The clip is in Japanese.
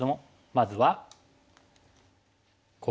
まずは。